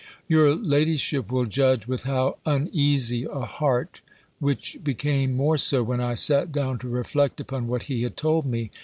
Your ladyship will judge with how uneasy a heart; which became more so, when I sat down to reflect upon what he had told me.